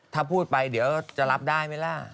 ถ้าพูดไปเดี๋ยวจะรับได้ไหมล่ะ